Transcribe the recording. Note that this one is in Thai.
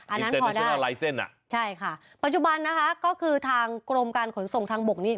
อันนั้นพอได้ใช่ค่ะปัจจุบันนะฮะก็คือทางกรมการขนส่งทางบกนี้